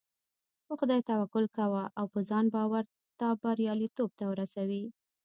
په خدای توکل کوه او په ځان باور تا برياليتوب ته رسوي .